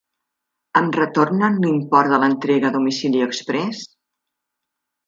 Em retornen l'import de l'entrega a domicili expres?